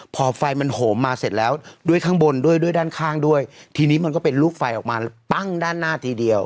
พอไฟมันโหมมาเสร็จแล้วด้วยข้างบนด้วยด้วยด้านข้างด้วยทีนี้มันก็เป็นลูกไฟออกมาปั้งด้านหน้าทีเดียว